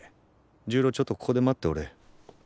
重郎ちょっとここで待っておれ。